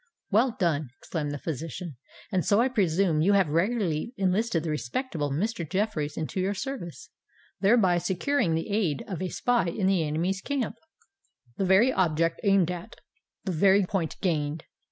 "Well done!" exclaimed the physician. "And so I presume you have regularly enlisted the respectable Mr. Jeffreys into your service—thereby securing the aid of a spy in the enemy's camp." "The very object aimed at—the very point gained!